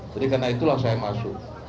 jadi karena itulah saya masuk